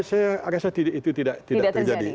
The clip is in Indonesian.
saya agak itu tidak terjadi